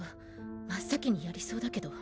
真ッ先にやりそうだけど。